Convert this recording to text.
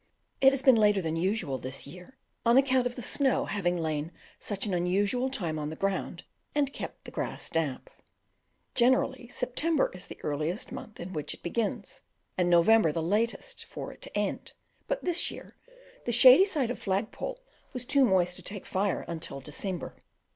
It has been later than usual this year, on account of the snow having lain such an unusual time on the ground and kept the grass damp. Generally September is the earliest month in which it begins, and November the latest for it to end; but this year the shady side of "Flagpole" was too moist to take fire until December.